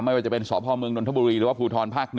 ไม่ว่าจะเป็นสพเมืองโดนทบุรีรวมปืทธรรมภาค๑